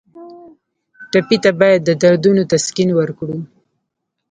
ټپي ته باید د دردونو تسکین ورکړو.